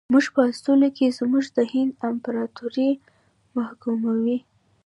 موږ په اصولو کې زموږ د هند امپراطوري محکوموو.